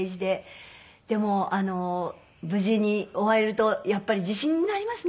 でも無事に終えるとやっぱり自信になりますね。